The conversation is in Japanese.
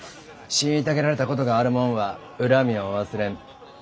虐げられたことがある者は恨みを忘れん。